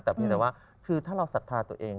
แต่เพียงแต่ว่าคือถ้าเราศรัทธาตัวเอง